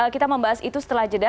kita membahas itu setelah jeda